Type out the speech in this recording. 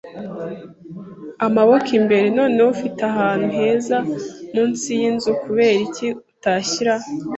amaboko imbere. Noneho, ufite ahantu heza munsi yinzu; kuberiki utashyira